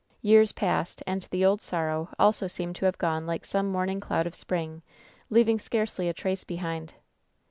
"Years passed, and the old sorrow also seemed to have gone like some morning cloud of spring, leaving scarcely a trace behind.